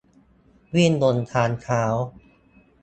- วิ่งบนทางเท้า